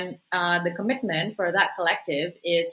dan komitmen dari kolektif itu